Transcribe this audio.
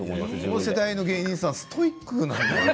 この世代の芸人さんストイックなのよ。